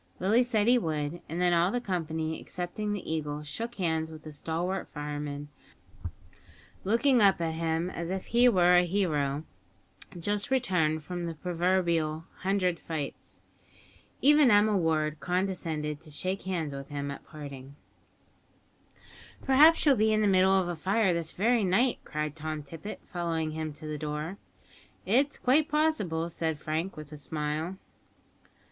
Willie said he would, and then all the company, excepting the Eagle, shook hands with the stalwart fireman, looking up at him as if he were a hero just returned from the proverbial "hundred fights." Even Emma Ward condescended to shake hands with him at parting. "Perhaps you'll be in the middle of a fire this very night," cried Tom Tippet, following him to the door. "It is quite possible," said Frank, with a smile.